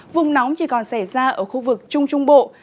vùng nóng chỉ còn xảy ra ở khu vực trung trung bộ